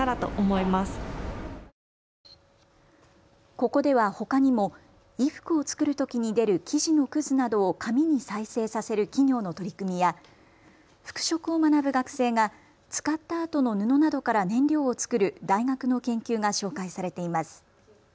ここではほかにも衣服を作るときに出る生地のくずなどを紙に再生させる企業の取り組みや服飾を学ぶ学生が使ったあとの布などから燃料を作る大学の研究が紹介されています。